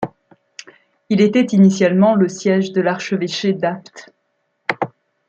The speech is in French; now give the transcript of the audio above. Il était initialement le siège de l’archevêché d'Apt.